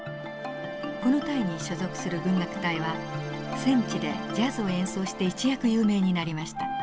この隊に所属する軍楽隊は戦地でジャズを演奏して一躍有名になりました。